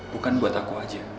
bukan buat aku aja